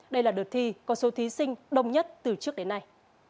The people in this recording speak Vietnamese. đây là đợt thi có số thí sinh đông nhất từ trước đến nay